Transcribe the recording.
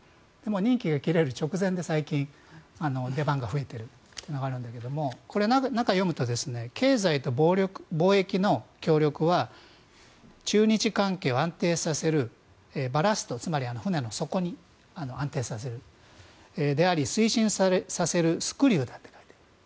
任期が切れる直前で最近出番が増えているというのがあるんだけど中を読むと経済と貿易の協力は中日関係を安定させるバラストつまり船の底に安定させるものであり推進させるスクリューだと書いてある。